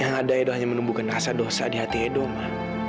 yang ada edo hanya menumbuhkan rasa dosa di hati edo ma